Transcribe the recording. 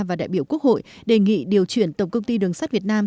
và đại biểu quốc hội đề nghị điều chuyển tổng công ty đường sắt việt nam